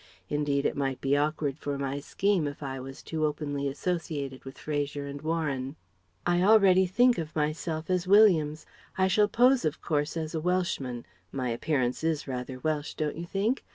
Indeed it might be awkward for my scheme if I was too openly associated with Fraser and Warren. "I already think of myself as Williams I shall pose of course as a Welshman. My appearance is rather Welsh, don't you think?